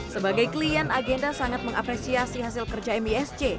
sebagai klien agenda sangat mengapresiasi hasil kerja misc